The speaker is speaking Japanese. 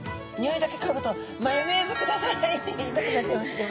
匂いだけかぐと「マヨネーズください」って言いたくなっちゃいますけど。